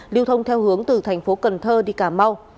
lưu thông theo hướng từ thành phố cần thơ đi cà mau